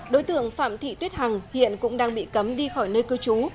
đối tượng phạm thị tuyết hằng hiện cũng đang bị cấm đi khỏi nơi cư trú